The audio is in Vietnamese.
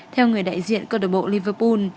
theo người đại diện cơ độc bộ liverpool